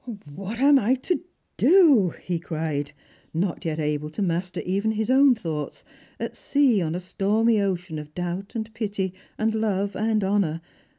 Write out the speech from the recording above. " What am I to do ?" he cried, not yet able to master even his own thoughts, at sea on a stormy ocean of doubt and pity and love and honour.